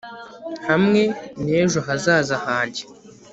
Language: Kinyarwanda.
Hamwe nejo hazaza hanjye